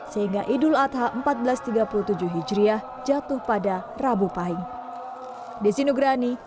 sehingga idul adha seribu empat ratus tiga puluh tujuh hijriah jatuh pada rabu pahing